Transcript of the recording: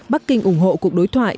bắc kinh ủng hộ cuộc đối thoại